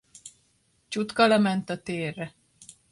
Csutka lement a térre.